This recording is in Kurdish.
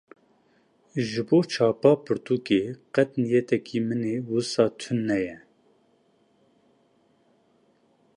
Ji bo çapa pirtûkê, qet niyetekî min ê wisa tuneye